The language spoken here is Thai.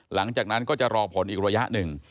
หลังจากนั้นก็จะรอผลอีกระยะหนึ่ง